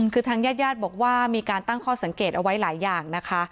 คือทางญาติญาติบอกว่ามีการตั้งข้อสังเกตเอาไว้หลายอย่างนะคะ